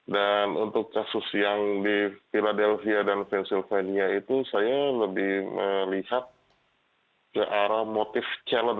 dan untuk kasus yang di philadelphia dan pennsylvania itu saya lebih melihat ke arah motif challenge ya